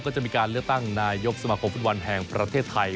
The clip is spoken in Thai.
ก็จะมีการเลือกตั้งนายกสมาคมฟุตบอลแห่งประเทศไทย